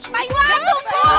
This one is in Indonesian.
pak iwan tunggu